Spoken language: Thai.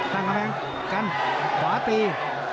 กันขวาตี